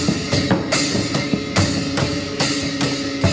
สวัสดีสวัสดี